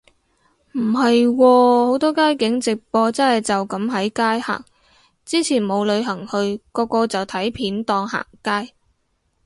唔係喎，好多街景直播真係就噉喺街行，之前冇旅行去個個就睇片當行街